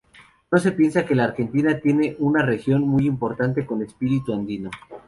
No se piensa que la Argentina tiene una región muy importante con espíritu andino.